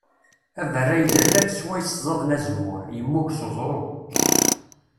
Aberray d allal swayes ẓẓaden azemmur, yemmug s uẓru.